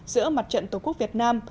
giữa mặt trận tổ quốc việt nam